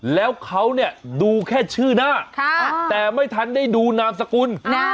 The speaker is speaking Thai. แล้วเขาเนี่ยดูแค่ชื่อหน้าแต่ไม่ทันได้ดูนามสกุล